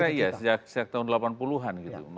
saya kira iya sejak tahun delapan puluh an gitu